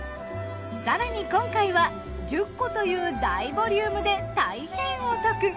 更に今回は１０個という大ボリュームで大変お得。